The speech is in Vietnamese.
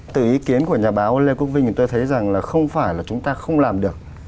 từ ý kiến của nhà báo lê quốc vinh tôi thấy rằng là không phải là chúng ta không làm được